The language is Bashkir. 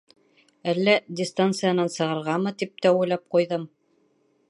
Әллә дистанциянан сығырғамы, тип тә уйлап ҡуйҙым.